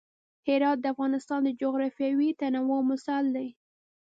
هرات د افغانستان د جغرافیوي تنوع مثال دی.